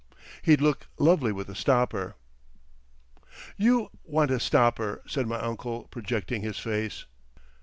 He'd look lovely with a stopper." "You want a stopper," said my uncle, projecting his face....